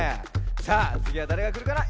さあつぎはだれがくるかな？